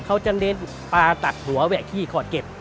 เขาจะเน้นปลาตัดหัวแหวะขี้ขอดเก็บ